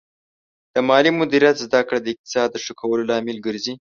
د مالي مدیریت زده کړه د اقتصاد ښه کولو لامل ګرځي.